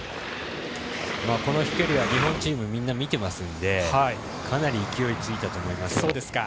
この飛距離は日本チームみんな見ていますのでかなり、勢いついたと思います。